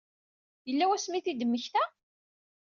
Yella wasmi i t-id-temmekta?